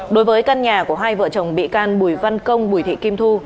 đối với căn nhà của hai vợ chồng bị can bùi văn công bùi thị kim thu